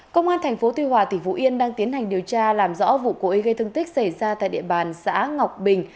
công an tp tuy hòa tp yên đang tiến hành điều tra làm rõ vụ cối gây thương tích xảy ra tại địa bàn xã ngọc bình